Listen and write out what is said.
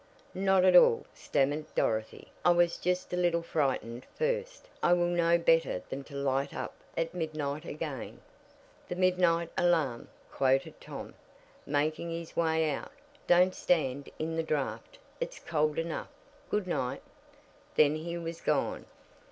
"Not at all," stammered Dorothy. "I was just a little frightened first. I will know better than to light up at midnight again." "The midnight alarm!" quoted Tom, making his way out. "Don't stand in the draft. It's cold enough. Good night!" Then he was gone.